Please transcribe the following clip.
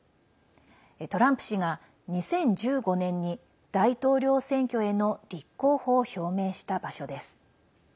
トランプ氏が、２０１５年に大統領選挙への立候補を表明した場所です。